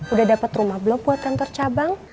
udah dapet rumah belum buat kantor cabang